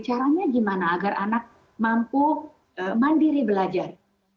caranya gimana agar anak mampu mandiri belajar